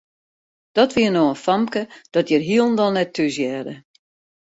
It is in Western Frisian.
Dat wie no in famke dat hjir hielendal net thúshearde.